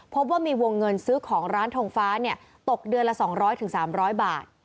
พบว่ามีวงเงินซื้อของร้านทงฟ้าตกเดือนละ๒๐๐๓๐๐บาท